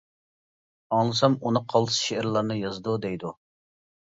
ئاڭلىسام ئۇنى قالتىس شېئىرلارنى يازىدۇ دەيدۇ.